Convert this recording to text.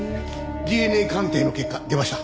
ＤＮＡ鑑定の結果出ました。